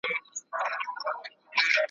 پر ما غټ دي د مُلا اوږده بوټونه `